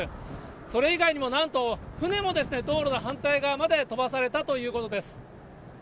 それ以外にもなんと、船も道路の反対側まで飛ばされたということです。